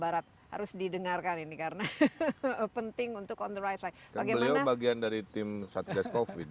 barat harus didengarkan ini karena penting untuk on the right bagaimana bagian dari tim satgas covid